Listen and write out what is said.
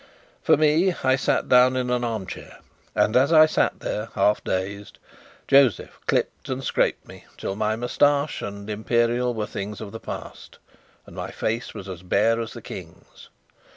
For me, I sat down in an armchair, and as I sat there, half dazed, Josef clipped and scraped me till my moustache and imperial were things of the past and my face was as bare as the King's.